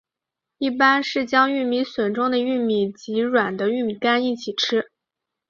一般是将玉米笋中的玉米及软的玉米秆一起吃。